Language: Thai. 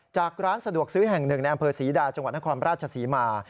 ร้านสะดวกซื้อแห่งหนึ่งในอำเภอศรีดาจังหวัดนครราชศรีมา